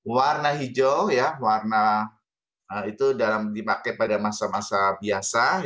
warna hijau ya warna itu dipakai pada masa masa biasa